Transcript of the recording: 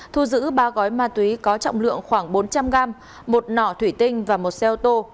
thu giữ ba gói ma túy có trọng lượng khoảng bốn trăm linh gram một nọ thủy tinh và một xe ô tô